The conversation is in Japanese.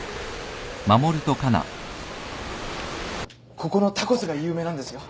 ここのタコスが有名なんですよ。